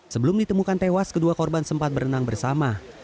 sebelum ditemukan tewas kedua korban sempat berenang bersama